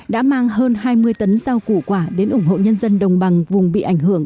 đã mang hơn hai mươi tấn rau củ quả đến ủng hộ nhân dân đồng bằng vùng bị ảnh hưởng